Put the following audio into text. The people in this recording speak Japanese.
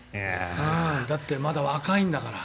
だってまだ若いんだから。